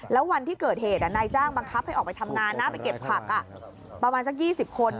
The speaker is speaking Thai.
แล้ววันที่เกิดเหตุนายจ้างบังคับให้ออกไปทำงานนะไปเก็บผักประมาณสัก๒๐คน